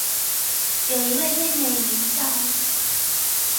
有一位妹妹名叫。